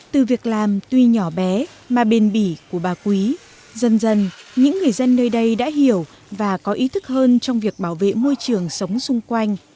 từ việc làm tuy nhỏ bé mà bền bỉ của bà quý dần dần những người dân nơi đây đã hiểu và có ý thức hơn trong việc bảo vệ môi trường sống xung quanh